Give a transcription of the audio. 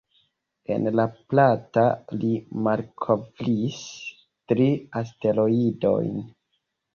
En La Plata li malkovris tri asteroidojn.